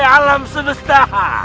he alam semesta